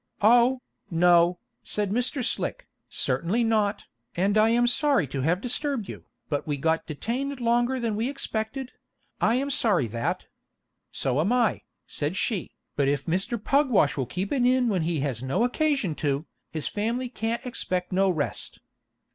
"Oh, no," said Mr. Slick, "certainly not, and I am sorry to have disturbed you, but we got detained longer than we expected; I am sorry that " "So am I," said she, "but if Mr. Pugwash will keep an inn when he has no occasion to, his family can't expect no rest."